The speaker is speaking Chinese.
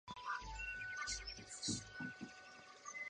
越南北部也有。